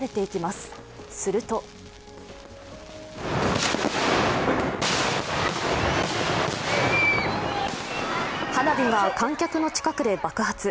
すると花火が観客の近くで爆発。